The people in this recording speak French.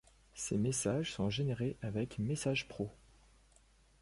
Ces messages sont générés avec MessagePro.